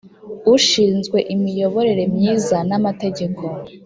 Ushinzwe imiyoborere myiza n amategeko